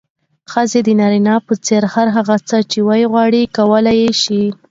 ښځې د نارينه په څېر هر هغه څه چې وغواړي، کولی يې شي.